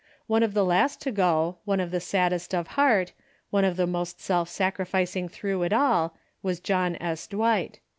One of the last to go, one of the saddest of heart, one of the most self sacrificing through it all, was John S. Dwight.